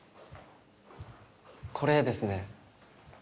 これですね。